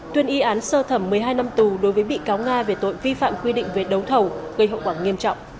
tuyên y án sơ thẩm một mươi hai năm tù đối với bị cáo nga về tội vi phạm quy định về đấu thầu gây hậu quả nghiêm trọng